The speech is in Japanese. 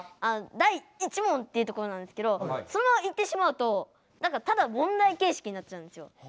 「第１問」って言うところなんですけどそのまま言ってしまうとただ問題形式になっちゃうんですよ。